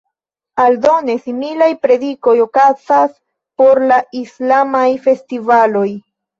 Aldone, similaj predikoj okazas por la islamaj festivaloj.